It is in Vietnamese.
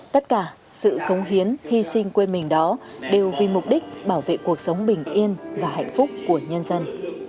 tất cả sự cống hiến hy sinh quên mình đó đều vì mục đích bảo vệ cuộc sống bình yên và hạnh phúc của nhân dân